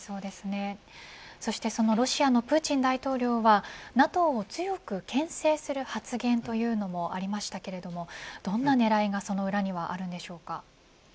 そしてそのプーチン大統領はＮＡＴＯを強くけん制する発言というのもありましたけれどもどんな狙いがその裏にはあるんでしょうか。